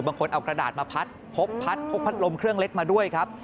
บางคนเอากระดาษมาพัดพกพัดพกพัดลมเครื่องเล็กมาด้วยครับ